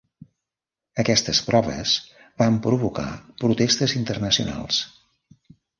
Aquestes proves van provocar protestes internacionals.